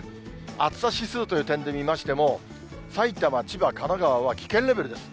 暑さ指数という点で見ましても、埼玉、千葉、神奈川は危険レベルです。